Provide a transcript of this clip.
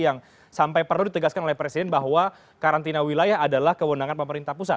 yang sampai perlu ditegaskan oleh presiden bahwa karantina wilayah adalah kewenangan pemerintah pusat